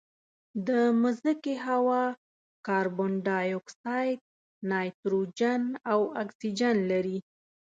د مځکې هوا کاربن ډای اکسایډ، نایتروجن او اکسیجن لري.